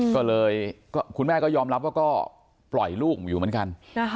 ก็เลยคุณแม่ก็ยอมรับว่าก็ปล่อยลูกอยู่เหมือนกัน